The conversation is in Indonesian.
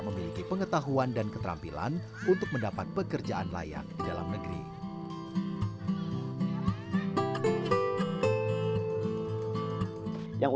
memiliki pengetahuan dan keterampilan untuk mendapat pekerjaan layak di dalam negeri yang